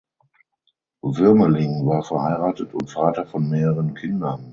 Wuermeling war verheiratet und Vater von mehreren Kindern.